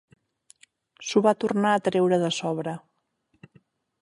S'ho va tornar a treure de sobre.